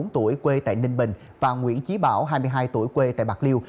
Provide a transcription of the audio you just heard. hai mươi bốn tuổi quê tại ninh bình và nguyễn chí bảo hai mươi hai tuổi quê tại bạc liêu